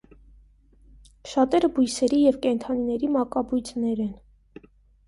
Շատերը բույսերի և կենդանիների մակաբույծներ են։